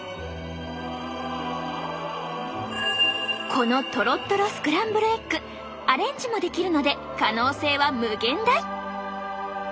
このとろっとろスクランブルエッグアレンジもできるので可能性は無限大！